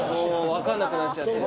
わかんなくなっちゃって。